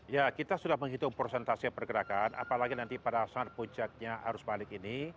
ya kita sudah menghitung prosentase pergerakan apalagi nanti pada saat puncaknya arus balik ini